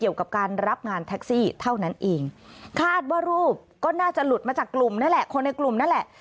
ว่ารูปก็น่าจะหลุดมาจากกลุ่มนั่นแหละคนในกลุ่มนั่นแหละ